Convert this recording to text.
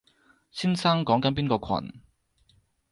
先生講緊邊個群？